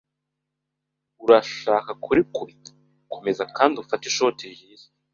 Urashaka kunkubita? Komeza kandi ufate ishoti ryiza.